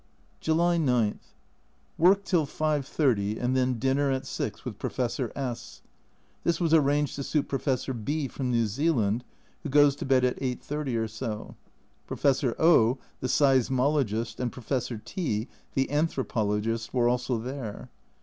July 9. Work till 5.30, and then dinner at 6, with Professor S . This was arranged to suit Professor B , from New Zealand, who goes to bed at 8.30 or so. Professor O , the seismologist, and Professor T , the anthropologist, were also there.